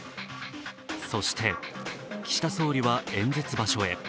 そして岸田総理は演説場所へ。